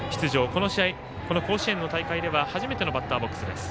この試合、この甲子園の大会では初めてのバッターボックスです。